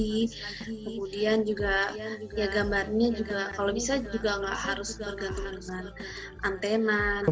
kemudian juga gambarnya kalau bisa juga nggak harus bergantung dengan antena